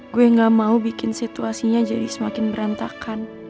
gue gak mau bikin situasinya jadi semakin berantakan